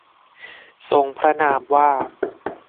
ทรงพระนามว่า